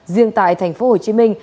riêng tại thành phố hồ chí minh